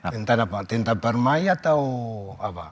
tentang apa tentang permainan atau apa